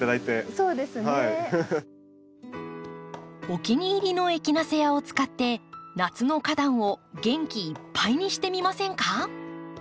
お気に入りのエキナセアを使って夏の花壇を元気いっぱいにしてみませんか？